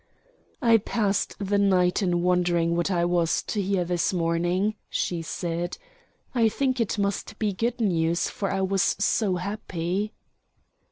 "I passed the night in wondering what I was to hear this morning," she said. "I think it must be good news, for I was so happy."